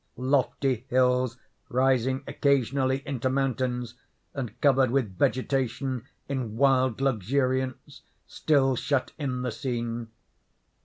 Lofty hills, rising occasionally into mountains, and covered with vegetation in wild luxuriance, still shut in the scene.